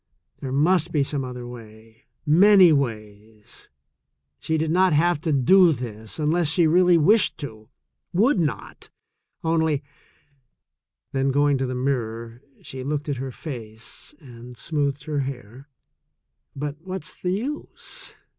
There must be some other way — many ways. She did not have to do this unless she really wished to — would not — only —. Then going to the mirror she looked at her face and smoothed her hair. "But what's the use?"